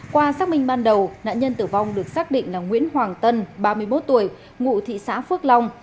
qua xác minh ban đầu nạn nhân tử vong được xác định là nguyễn hoàng tân ba mươi một tuổi ngụ thị xã phước long